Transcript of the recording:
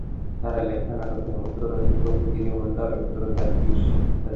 তাঁর লেখা নাটকের মধ্যে রয়েছে প্রকৃতি জীবন দাও, ইন্দ্রজাল, বিষ ইত্যাদি।